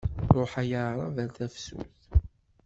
Ruḥ ay aɛrab ar tafsut!